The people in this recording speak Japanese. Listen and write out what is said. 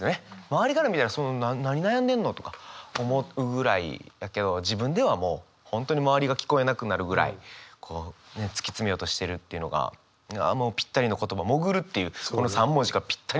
周りから見たら何悩んでんの？とか思うぐらいやけど自分ではもう本当に周りが聞こえなくなるぐらいこうね突き詰めようとしているっていうのがもうぴったりの言葉「潜る」っていうこの３文字がぴったりの言葉やなと思いましたね。